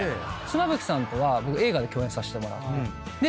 妻夫木さんとは僕映画で共演させてもらって。